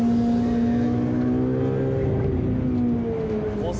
コース